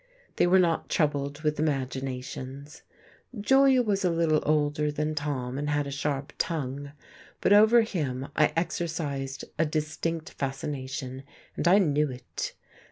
They were not troubled with imaginations. Julia was a little older than Tom and had a sharp tongue, but over him I exercised a distinct fascination, and I knew it.